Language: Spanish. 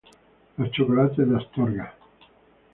Los chocolates de Astorga.